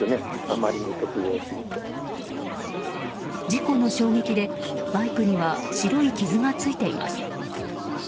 事故の衝撃で、バイクには白い傷がついています。